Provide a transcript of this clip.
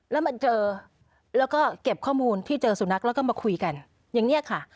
แล้วมาเจอแล้วก็เก็บข้อมูลที่เจอสุนัขแล้วก็มาคุยกันอย่างนี้ค่ะ